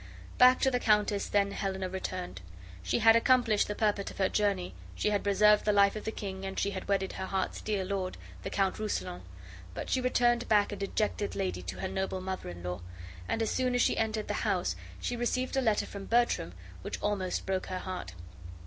Back to the countess then Helena returned. She had accomplished the purport of her journey, she had preserved the life of the king, and she had wedded her heart's dear lord, the Count Rousillon; but she returned back a dejected lady to her noble mother in law, and as soon as she entered the house she received a letter from Bertram which almost broke her heart.